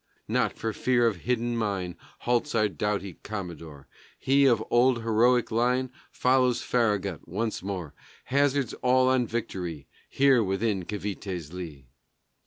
Not for fear of hidden mine Halts our doughty Commodore. He, of old heroic line, Follows Farragut once more, Hazards all on victory, Here within Cavité's lee.